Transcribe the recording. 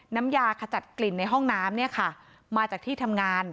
น้ำยาขจัดกลิ่นในห้องน้ำเนี่ยค่ะมาจากที่ทำงาน